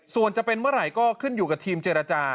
ส่วนจะเป็นเมื่อไหร่ก็ขึ้นอยู่กับทีมเจรจา